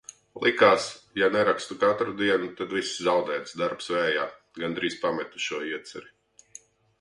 Likās, ja nerakstu katru dienu, tad viss zaudēts, darbs vējā. Gandrīz pametu šo ieceri.